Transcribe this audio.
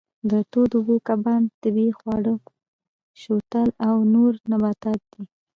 د تودو اوبو کبانو طبیعي خواړه شوتل او نور نباتات دي.